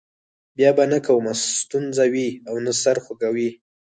بیا به نه کومه ستونزه وي او نه سر خوږی.